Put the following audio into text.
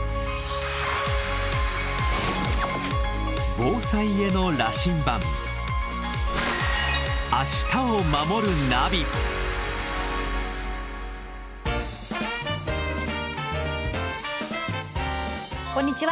防災への羅針盤こんにちは。